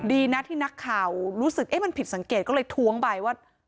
ดีนะที่นักข่าวรู้สึกเอ๊ะมันผิดสังเกตก็เลยท้วงไปว่า